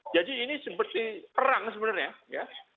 jadi ini seperti perang sebenarnya ya